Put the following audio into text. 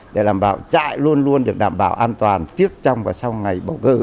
để làm bảo trại luôn luôn được đảm bảo an toàn trước trong và sau ngày